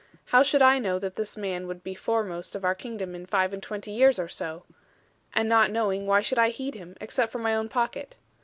How should I know that this man would be foremost of our kingdom in five and twenty years or so; and not knowing, why should I heed him, except for my own pocket?